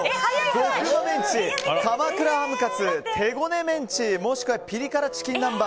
極旨メンチ、鎌倉ハムカツ手ごねメンチもしくはピリ辛チキン南蛮